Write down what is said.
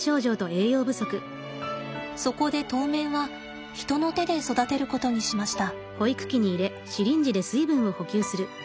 そこで当面は人の手で育てることにしました。